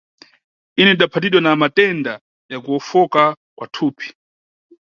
Ine ndidaphatidwa na matenda ya kuwofoka kwa thupi.